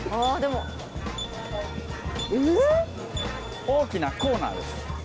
ああでも大きなコーナーです